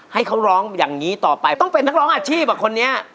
ให้เขาร้องอย่างนี้ต่อไปต้องเป็นนักร้องอาชีพอ่ะคนนี้